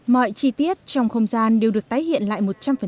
mọi chi tiết trong không gian đều được tái hiện lại một trăm linh